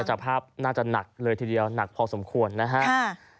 จากภาพน่าจะหนักเลยทีเดียวหนักพอสมควรนะฮะ